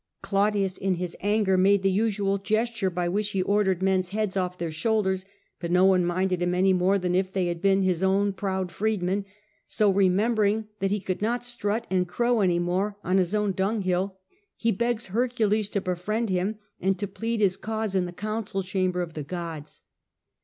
Claudius, in his anger, made the usual gesture by which he ordered men's heads off their shoulders, but no one minded him any more than if they had been his own proud freedmen ; so, remembering that he could not strut and crow any more on his own dunghill, he begs Hercules to befriend him and to plead his cause in the council chamber of the gods.